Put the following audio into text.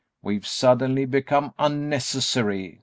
we've suddenly become unnecessary.